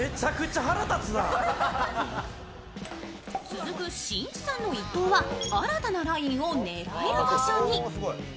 続くしんいちさんの一投は新たなラインを狙える場所に。